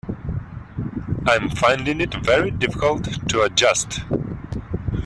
I'm finding it very difficult to adjust